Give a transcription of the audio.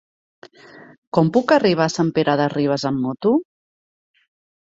Com puc arribar a Sant Pere de Ribes amb moto?